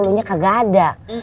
lo nya kagak ada